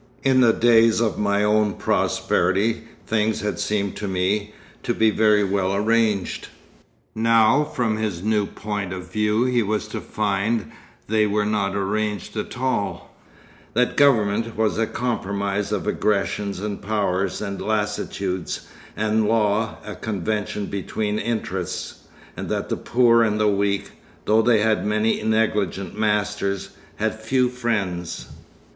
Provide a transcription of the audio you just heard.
In the days of my own prosperity things had seemed to me to be very well arranged.' Now from his new point of view he was to find they were not arranged at all; that government was a compromise of aggressions and powers and lassitudes, and law a convention between interests, and that the poor and the weak, though they had many negligent masters, had few friends.